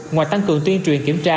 ngoài tăng cường tuyên truyền kiểm tra